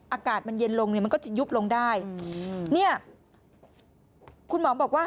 อากาศมันเย็นลงเนี่ยมันก็จะยุบลงได้เนี่ยคุณหมอบอกว่า